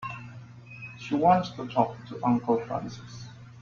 She wants to talk to Uncle Francis.